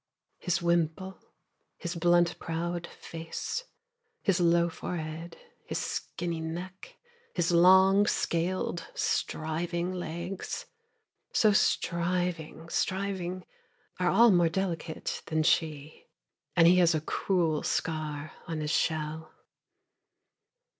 His wimple, his blunt prowed face, His low forehead, his skinny neck, his long, scaled, striving legs, So striving, striving, Are all more delicate than she, And he has a cruel scar on his shell.